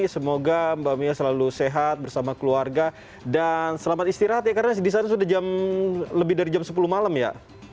semoga mbak mia selalu sehat bersama keluarga dan selamat istirahat ya karena di sana sudah lebih dari jam sepuluh malam ya